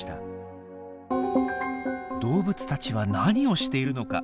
動物たちは何をしているのか？